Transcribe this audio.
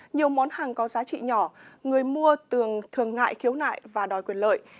nhiều món hàng có giá trị nhỏ người mua thường thường ngại khiếu nại và đòi quyền lợi